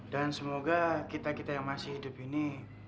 dan semoga kita kita yang masih hidup ini